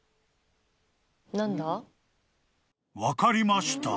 ［分かりました？